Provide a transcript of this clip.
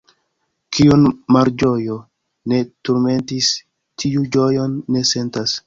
Kiun malĝojo ne turmentis, tiu ĝojon ne sentas.